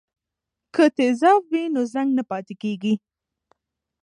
که تیزاب وي نو زنګ نه پاتې کیږي.